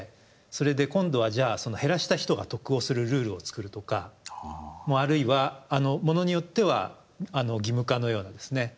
それで今度はじゃあ減らした人が得をするルールを作るとかあるいはものによっては義務化のようなですね